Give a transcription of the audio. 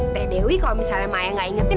t dewi kalau misalnya maya gak ingetin